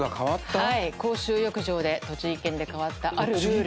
はい公衆浴場で栃木県で変わったあるルール。